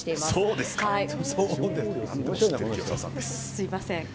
すみません。